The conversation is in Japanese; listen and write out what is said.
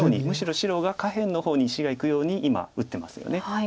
むしろ白が下辺の方に石がいくように今打ってますよね。